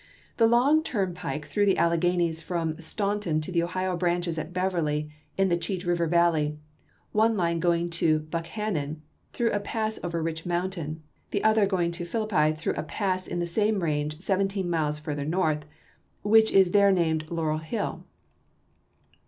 The long turnpike through the Alleghanies from Staunton to the Ohio branches at Beverly in the Cheat River valley, one line going to Buckhannon through a pass over Rich Mountain, the other going to Philippi through a pass in the same range seventeen miles further north, which is there named Laurel Hill.